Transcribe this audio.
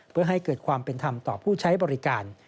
เพื่อให้เกิดความเป็นธรรมต่อผู้ใช้บริการ